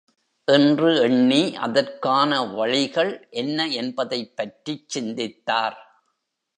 என்று எண்ணி அதற்கான வழிகள் என்ன என்பதைப் பற்றிச் சிந்தித்தார்.